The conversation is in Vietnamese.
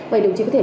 vậy đồng chí có thể